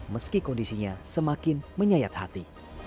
meski kondisinya semakin menyayat hati